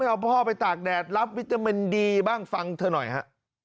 เอาพ่อไปตากแดดรับวิตามินดีบ้างฟังเธอหน่อยฮะ